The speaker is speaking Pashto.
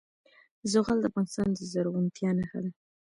زغال د افغانستان د زرغونتیا نښه ده.